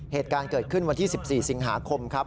เหตุการณ์เกิดขึ้นวันที่๑๔สิงหาคมครับ